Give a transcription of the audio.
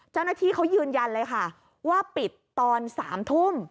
เจ้าหน้าที่เขายืนยันเลยค่ะว่าปิดตอน๓ทุ่ม